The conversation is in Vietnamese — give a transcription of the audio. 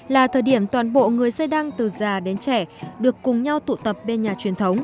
là thời điểm toàn bộ người xe đăng từ già đến trẻ được cùng nhau tụ tập bên nhà truyền thống